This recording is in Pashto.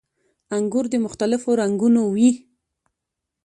• انګور د مختلفو رنګونو وي.